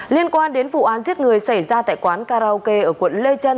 liên quan đến vụ án giết người xảy ra tại quán karaoke ở quận lê trân